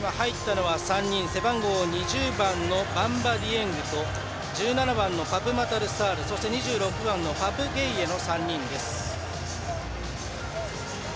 入ったのは３人背番号２０番のバンバ・ディエングと１７番のパプマタル・サール２６番のパプ・ゲイエの３人です。